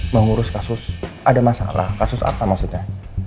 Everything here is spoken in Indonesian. mengurus kasus ada masalah kasus apa maksudnya